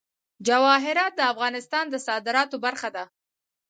جواهرات د افغانستان د صادراتو برخه ده.